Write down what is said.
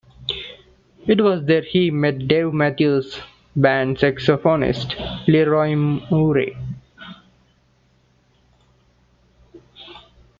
It was there he met Dave Matthews Band saxophonist, LeRoi Moore.